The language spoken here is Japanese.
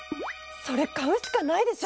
それ買うしかないでしょ！